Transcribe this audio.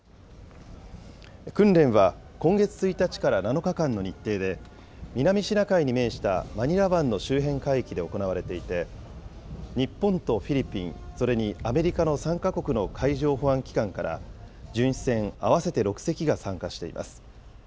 訓練は、今月１日から７日間の日程で、南シナ海に面したマニラ湾の周辺海域で行われていて、日本とフィリピン、それにアメリカの３か国の海上保安機関から、巡視船合わせて６隻が参加しています。